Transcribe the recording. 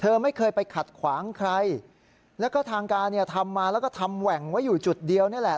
ไม่เคยไปขัดขวางใครแล้วก็ทางการเนี่ยทำมาแล้วก็ทำแหว่งไว้อยู่จุดเดียวนี่แหละ